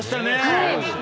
はい。